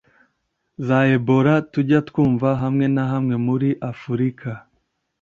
za ebora tujya twumva hamwe na hamwe muri Afurika.